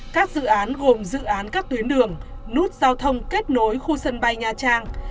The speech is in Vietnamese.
các dự án gồm dự án các tuyến đường nút giao thông kết nối khu sân bay nha trang